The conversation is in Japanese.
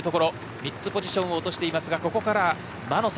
３つポジションを落としていますがここから魔の坂。